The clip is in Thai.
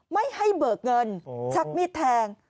ไม่ให้เบิกเงินชักมีดแทง